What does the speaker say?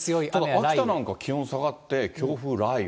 ただ、秋田なんかは気温下がって強風、雷雨？